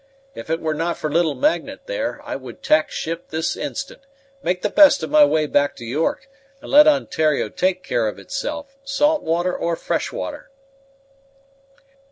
If it were not for little Magnet there, I would tack ship this instant, make the best of my way back to York, and let Ontario take care of itself, salt water or fresh water."